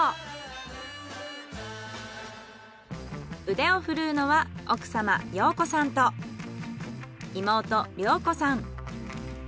腕をふるうのは奥様洋子さんと妹涼子さん。